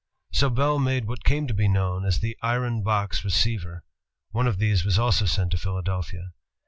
So Bell made what came to be known as the iron box receiver; one of these was also sent to Phila delphia.